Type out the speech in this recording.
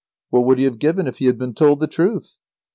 What would he have given if he had been told the truth?